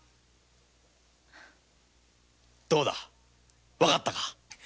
どうだ分かったか？